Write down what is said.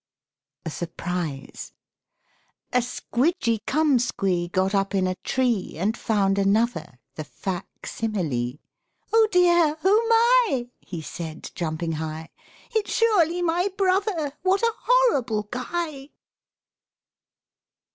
A SURPRISE A Squidgeecumsquee Got up in a tree, And found another The fac simile. "Oh dear! oh my!" He said jumping high, "It's surely my brother What a horrible guy!"